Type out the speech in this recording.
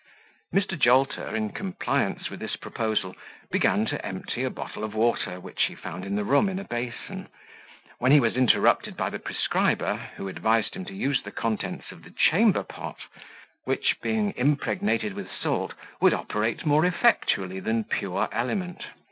Mr. Jolter, in compliance with his proposal, began to empty a bottle of water, which he found in the room in a basin; when he was interrupted by the prescriber, who advised him to use the contents of the chamberpot, which, being impregnated with salt, would operate more effectually than pure element.